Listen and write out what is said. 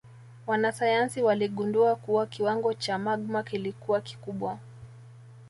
Wanasayansi waligundua kuwa kiwango cha magma kilikuwa kikubwa